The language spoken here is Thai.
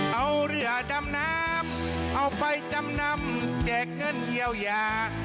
เอาเรือดำน้ำเอาไปจำนำแจกเงินเยียวยา